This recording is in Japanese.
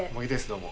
どうも。